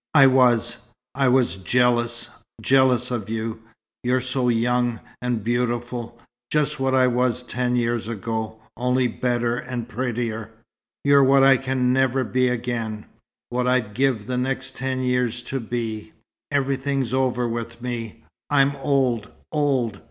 "I was. I was jealous jealous of you. You're so young and beautiful just what I was ten years ago, only better and prettier. You're what I can never be again what I'd give the next ten years to be. Everything's over with me. I'm old old!"